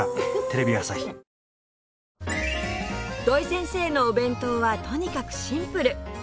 土井先生のお弁当はとにかくシンプル